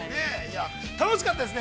楽しかったですね。